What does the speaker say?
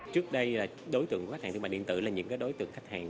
trước đây đối tượng khách hàng thương mại điện tử là những đối tượng khách hàng